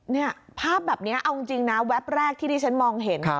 เนี่ยภาพแบบนี้เอาจริงนะแวบแรกที่ที่ฉันมองเห็น